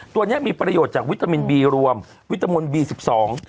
ตัวเนี้ยมีประโยชน์จากวิตามินบีรวมวิตามินบีสิบสอง